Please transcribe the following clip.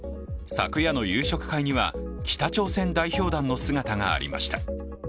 昨夜の夕食会には、北朝鮮代表団の姿がありました。